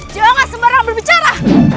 jangan sembarangan berbicara